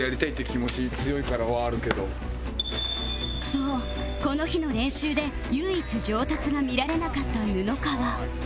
そうこの日の練習で唯一上達が見られなかった布川